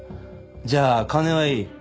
じゃあ金はいい。